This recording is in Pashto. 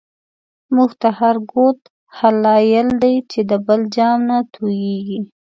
مونږ ته هر گوت هلایل دی، چی د بل جام نه توییږی